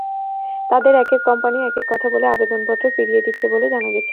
তাঁদের একেক কোম্পানি একেক কথা বলে আবেদনপত্র ফিরিয়ে দিচ্ছে বলে জানা গেছে।